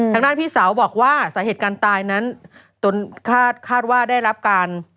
ทางด้านพี่สาวบอกว่าสาเหตุการณ์ตายนั้นตนคาดว่าได้รับการ